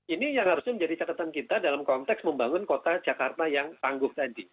ini yang harusnya menjadi catatan kita dalam konteks membangun kota jakarta yang tangguh tadi